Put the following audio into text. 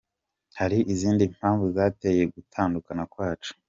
Hari izindi mpamvu zateye ugutandukana kwacu.